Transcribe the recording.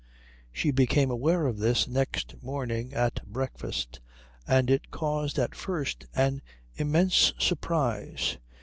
She became aware of this next morning at breakfast, and it caused at first an immense surprise.